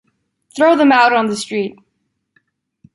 Throw them out on the street!